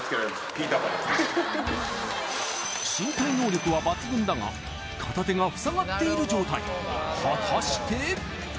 ピーターパン身体能力は抜群だが片手が塞がっている状態果たして？